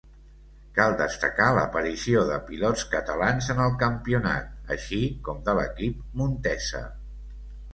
Cal destacar l'aparició de pilots catalans en el campionat, així com de l'equip Montesa.